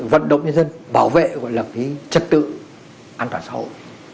vận động nhân dân bảo vệ gọi là cái trật tự an toàn xã hội